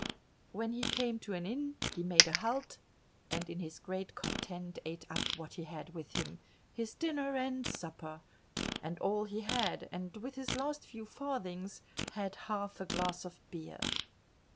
When he came to an inn he made a halt, and in his great content ate up what he had with him—his dinner and supper—and all he had, and with his last few farthings had half a glass of beer.